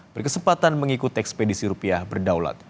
berkesempatan mengikuti ekspedisi rupiah berdaulat